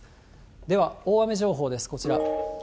では大雨情報です、こちら。